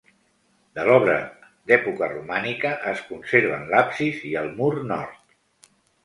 De l'obra d'època romànica es conserven l'absis i el mur nord.